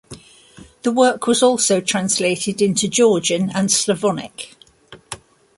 The work was also translated into Georgian and Slavonic.